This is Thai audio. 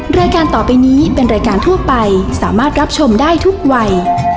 รายการต่อไปนี้เป็นรายการทั่วไปสามารถรับชมได้ทุกวัย